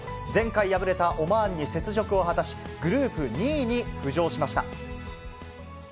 前回敗れたオマーンに雪辱を果たし、グループ２位に浮上しました。